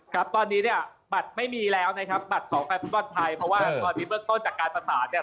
ครับตอนนี้เนี่ยบัตรไม่มีแล้วนะครับบัตรของแฟนฟุตบอลไทยเพราะว่าตอนนี้เบื้องต้นจากการประสานเนี่ย